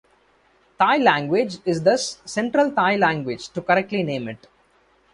Thai language is thus Central Thai language to correctly name it.